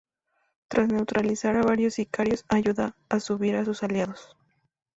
Tras neutralizar a varios sicarios ayuda a subir a sus aliados.